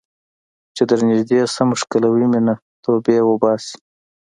چې درنږدې شم ښکلوې مې نه ، توبې وباسې